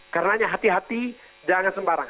karena hati hati jangan sembarang